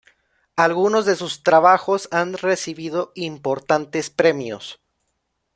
Algunos de sus trabajos han recibido importantes premios.